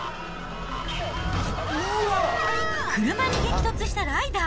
車に激突したライダー。